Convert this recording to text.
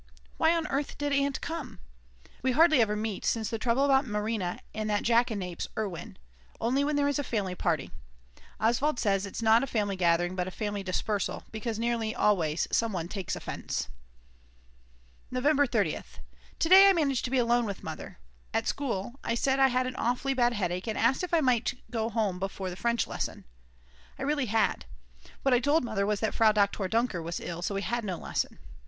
Why on earth did Aunt come? We hardly ever meet since the trouble about Marina and that jackanapes Erwin; only when there is a family party; Oswald says it's not a family gathering but a family dispersal because nearly always some one takes offence. November 30th. To day I managed to be alone with Mother. At school I said I had an awfully bad headache and asked if I might go home before the French lesson; I really had. What I told Mother was that Frau Doktor Dunker was ill, so we had no lesson.